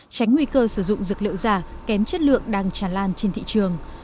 tránh nguy cơ sử dụng dược liệu giả kém chất lượng đang tràn lan trên thị trường